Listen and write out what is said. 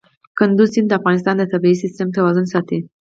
کندز سیند د افغانستان د طبعي سیسټم توازن ساتي.